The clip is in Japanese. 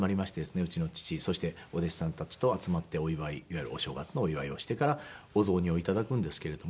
うちの父そしてお弟子さんたちと集まってお祝いいわゆるお正月のお祝いをしてからお雑煮を頂くんですけれども。